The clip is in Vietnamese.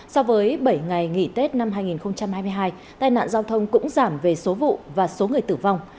so với bảy ngày nghỉ tết năm hai nghìn hai mươi hai tai nạn giao thông cũng giảm về số vụ và số người tử vong